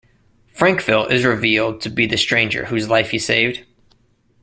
Frankville is revealed to be the stranger whose life he saved.